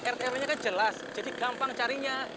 rt rt nya kan jelas jadi gampang carinya